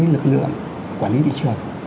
lực lượng quản lý thị trường